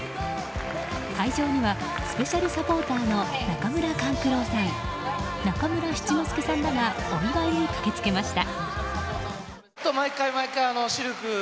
会場にはスペシャルサポーターの中村勘九郎さん中村七之助さんらがお祝いに駆けつけました。